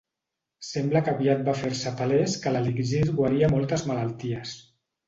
Sembla que aviat va fer-se palès que l'elixir guaria moltes malalties.